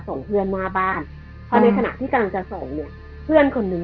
ส่งเพื่อนหน้าบ้านพอในขณะที่กำลังจะส่งเนี่ยเพื่อนคนนึง